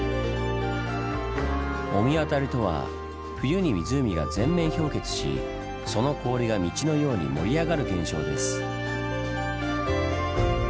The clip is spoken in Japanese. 御神渡りとは冬に湖が全面氷結しその氷が道のように盛り上がる現象です。